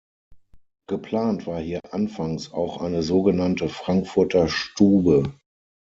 Geplant war hier anfangs auch eine sogenannte „Frankfurter Stube“.